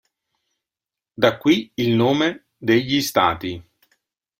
Da qui il nome "degli Stati".